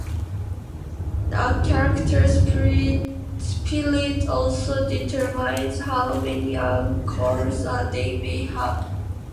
A character's Spirit also determines how many Anchors they may have.